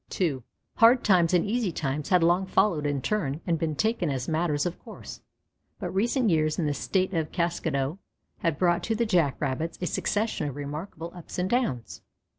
II Hard times and easy times had long followed in turn and been taken as matters of course; but recent years in the State of Kaskado had brought to the Jack rabbits a succession of remarkable ups and downs.